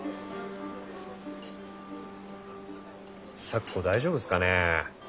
咲子大丈夫っすかねぇ。